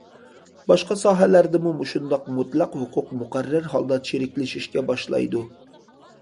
باشقا ساھەلەردىمۇ مۇشۇنداق مۇتلەق ھوقۇق مۇقەررەر ھالدا چىرىكلىشىشكە باشلايدۇ.